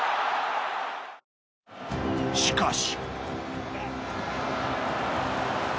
しかし。